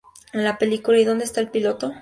En la película "Y donde está el piloto"?